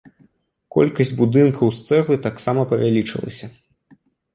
Колькасць будынкаў з цэглы таксама павялічылася.